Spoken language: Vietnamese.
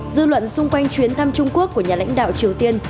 dư luận xung quanh chuyến thăm trung quốc của nhà lãnh đạo triều tiên